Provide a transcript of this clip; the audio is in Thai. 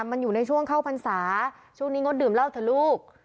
มันอยู่ในช่วงเข้าพรรษาช่วงนี้งดดื่มเหล้าเถอะลูก